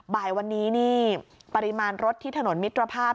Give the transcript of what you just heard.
บ่ายวันนี้นี่ปริมาณรถที่ถนนมิตรภาพ